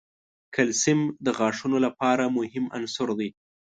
کلسیم د غاښونو لپاره مهم عنصر دی.